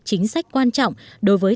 chính sách quan trọng đối với